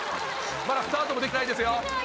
まだスタートもできてないですよ。